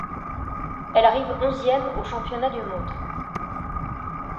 Elle arrive onzième aux Championnats du monde.